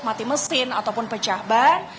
mati mesin ataupun pecah ban